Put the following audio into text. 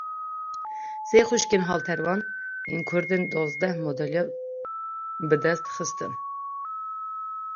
Sê xuşkên haltervan ên Kurd dozdeh madalya bi dest xistin.